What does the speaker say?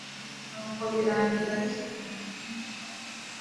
nuko birangira abishyize mu bwinshi